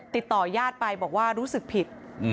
ติดต่อยาดไปบอกว่ารู้สึกผิด